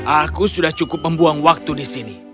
aku sudah cukup membuang waktu di sini